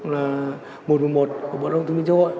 là một trăm một mươi một của bộ đồng thông minh châu hội